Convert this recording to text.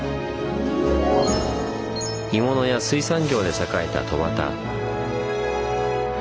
鋳物や水産業で栄えた戸畑。